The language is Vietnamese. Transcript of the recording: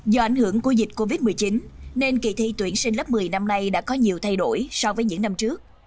do ảnh hưởng của dịch covid một mươi chín nên kỳ thi tuyển sinh lớp một mươi năm nay đã có nhiều thay đổi so với những năm trước